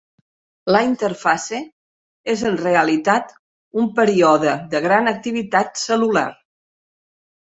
La interfase és en realitat un període de gran activitat cel·lular.